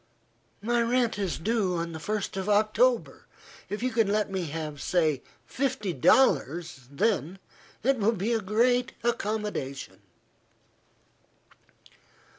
"My rent is due on the first of October. If you can let me have, say fifty dollars, then, it will be a great accommodation."